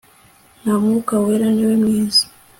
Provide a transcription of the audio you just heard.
na mwuka wera niwe mwiza